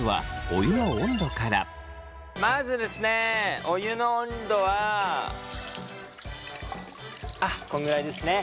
お湯の温度はあっこんぐらいですね。